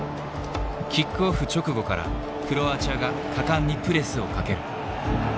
キックオフ直後からクロアチアが果敢にプレスをかける。